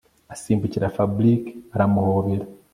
asimbukira Fabric aramuhobera